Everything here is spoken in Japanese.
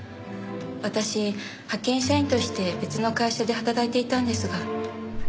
私派遣社員として別の会社で働いていたんですが。